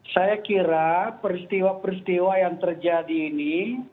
saya kira peristiwa peristiwa yang terjadi ini